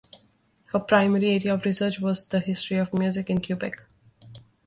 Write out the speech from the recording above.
Her primary area of research was the history of music in Quebec.